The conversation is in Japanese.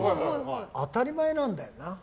当たり前なんだよな。